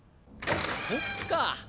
そっか。